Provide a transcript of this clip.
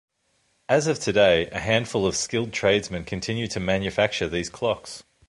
As of today, a handful of skilled tradesmen continue to manufacture these clocks.